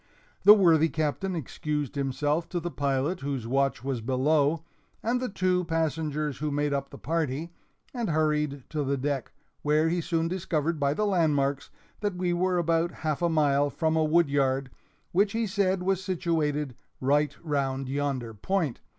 The worthy Captain excused himself to the pilot whose watch was below and the two passengers who made up the party, and hurried to the deck, where he soon discovered by the landmarks that we were about half a mile from a woodyard, which he said was situated "right round yonder point."